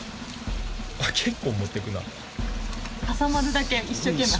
あっ結構持ってくな。